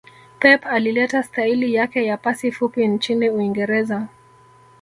Pep alileta staili yake ya pasi fupi nchini uingereza